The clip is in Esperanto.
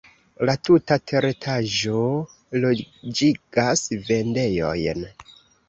La tuta teretaĝo loĝigas vendejojn.